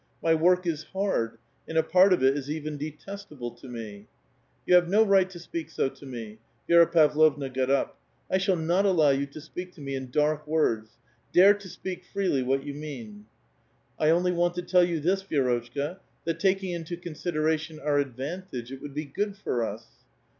My work is hard, and a part of it is even detestable to me." " You have no right to speak so to me." Vi^i*a Pavlovna got up. ^^ I shall not allow yon to speak to me in dark words. Dare to speak freely what you mean 1 "*^ I only want to tell you this, Vi^rotchka : that taking into consideration our advantage, it would i>e good for us."